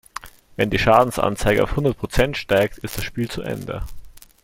Wenn die Schadensanzeige auf hundert Prozent steigt, ist das Spiel zu Ende.